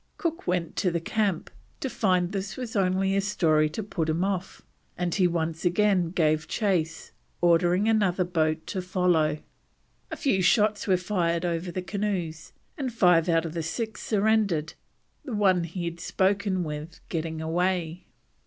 Cook went to the camp, to find this was only a story to put him off, and he once again gave chase, ordering another boat to follow. A few shots were fired over the canoes, and five out of the six surrendered, the one he had spoken with getting away.